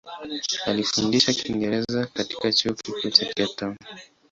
Alifundisha Kiingereza katika Chuo Kikuu cha Cape Town.